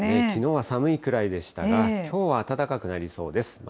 きのうは寒いくらいでしたが、きょうは暖かくなりそうです。